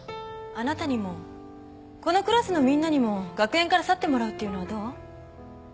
あなたにもこのクラスのみんなにも学園から去ってもらうっていうのはどう？